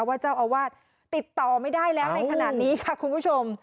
ว่าเจ้าอาวาสติดต่อไม่ได้แล้วในขณะนี้ค่ะคุณผู้ชม